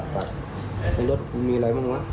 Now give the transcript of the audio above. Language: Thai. จนน้ำเดือดครบหมื่นนี่น้ำออกฝากนะปลาด